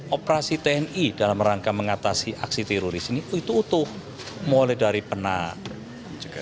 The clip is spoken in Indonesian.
operasi tni dalam rangka mengatasi aksi teroris ini itu utuh mulai dari penat